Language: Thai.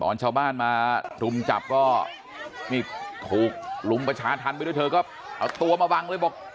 ชาวบ้านมารุมจับก็นี่ถูกลุมประชาธรรมไปด้วยเธอก็เอาตัวมาบังเลยบอก